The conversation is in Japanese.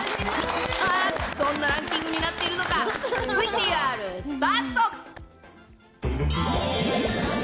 どんなランキングになっているのか、ＶＴＲスタート。